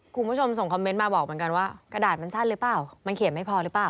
คุณผู้ชมส่งคอมเมนต์มาบอกเหมือนกันว่ากระดาษมันสั้นหรือเปล่ามันเขียนไม่พอหรือเปล่า